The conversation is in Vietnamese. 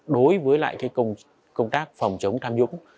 đối với lại công tác phòng chống tham nhũng